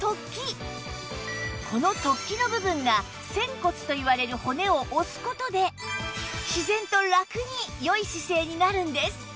この突起の部分が仙骨といわれる骨を押す事で自然とラクに良い姿勢になるんです